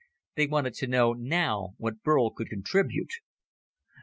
They wanted to know now what Burl could contribute.